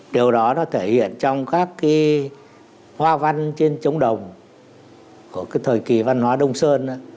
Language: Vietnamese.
điều đó nó thể hiện trong các cái hoa văn trên trống đồng của cái thời kỳ văn hóa đông sơn á